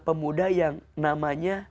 pemuda yang namanya